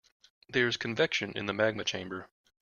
There is convection in the magma chamber.